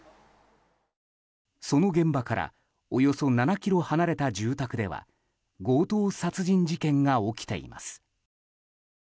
その現場からおよそ７ｋｍ離れた住宅では強盗殺人事件が起きています。